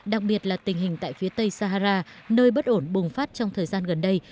đặc biệt là tình hình tại phía tây sahara nơi bất ổn bùng phát trong thời gian gần đây